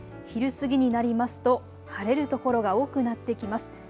昼過ぎになりますと晴れる所が多くなってきます。